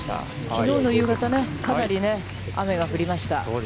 きのうの夕方、かなり雨が降りました。